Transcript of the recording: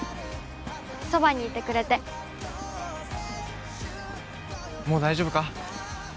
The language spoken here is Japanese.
そばにいてくれてもう大丈夫か？